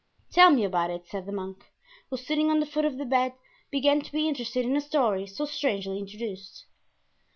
"Tell me about it," said the monk, who, sitting on the foot of the bed, began to be interested in a story so strangely introduced.